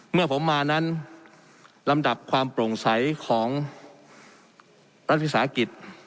เมื่อผมมานั้นลำดับความโปร่งใสของรัฐวิสาหกิจ